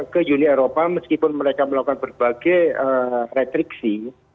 ke uni eropa meskipun mereka melakukan berbagai retriksi